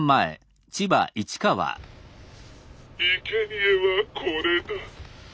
「いけにえはこれだ」。